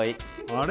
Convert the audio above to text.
あれ？